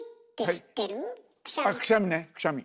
あくしゃみねくしゃみ。